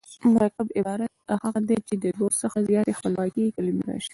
مرکب عبارت هغه دﺉ، چي له دوو څخه زیاتي خپلواکي کلیمې راسي.